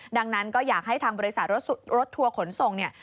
ดังนั้นก็อยากให้ทางบริษัทรถทัวร์ขนส่งเนี่ย